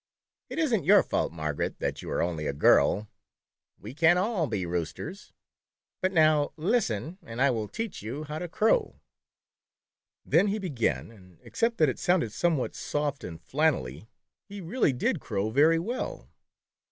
" It is n't your fault, Margaret, that you are only a girl — we can't rr// be roosters. But now listen and I will teach you how to crow." Then he began, and except that it sounded somewhat soft and flannelly, he really did crow very well.